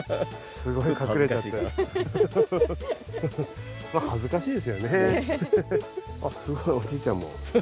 すごいお兄ちゃんも。